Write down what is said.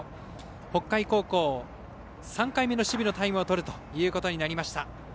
北海高校３回目の守備のタイムをとることになりました。